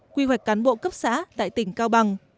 quy hoạch cán bộ cấp xã tại tỉnh cao bằng